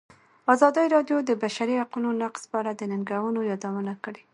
ازادي راډیو د د بشري حقونو نقض په اړه د ننګونو یادونه کړې.